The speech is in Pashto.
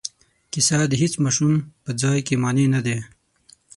کیسه د هیڅ ماشوم په ځای کې مانع نه دی.